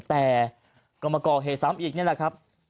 แต่ก็มาก่อเหตุซ้ำอีกนี่แหละครับ